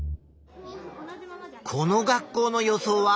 この学校の予想は？